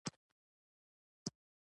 د لږکیو په بڼه پکښې د وردگو سره یوځای پرته